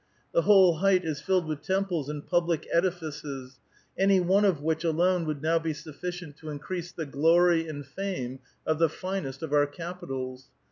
The wh^e height is filled with temples and public edifices, anj one of which alone would now be sufficient to increase the glory and fame of the finest of our capitals.